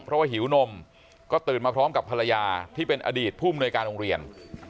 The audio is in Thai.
เพราะว่าหิวนมก็ตื่นมาพร้อมกับภรรยาที่เป็นอดีตผู้มนวยการโรงเรียน